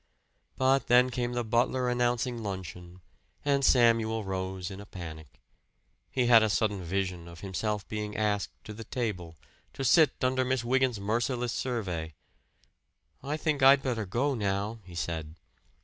But then came the butler announcing luncheon; and Samuel rose in a panic. He had a sudden vision of himself being asked to the table, to sit under Miss Wygant's merciless survey. "I think I'd better go now," he said.